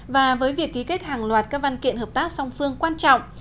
và với việc ký kết hàng loạt các văn kiện hợp tác song phương quan trọng